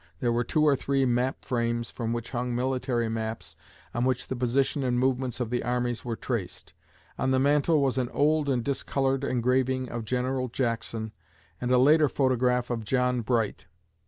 There were two or three map frames, from which hung military maps on which the position and movements of the armies were traced. On the mantel was an old and discolored engraving of General Jackson and a later photograph of John Bright.